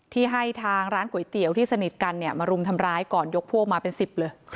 ที่ให้ทางร้านก๋วยเตี๋ยวที่สนิทกันเนี่ยมารุมทำร้ายก่อนยกพวกมาเป็น๑๐เลย